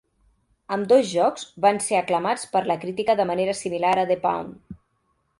Ambdós jocs van ser aclamats per la crítica de manera similar a "The Pawn".